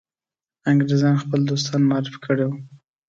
انګرېزان خپل دوستان معرفي کړي وه.